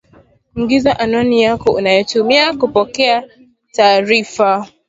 ingiza anwani yako unayotumia kupokea taarifa